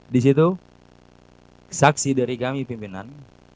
di situ saksi dari kami pimpinan